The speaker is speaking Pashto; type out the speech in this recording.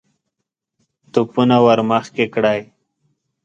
توپونه ور مخکې کړئ!